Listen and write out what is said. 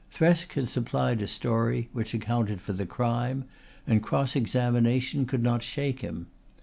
Thresk had supplied a story which accounted for the crime, and cross examination could not shake him.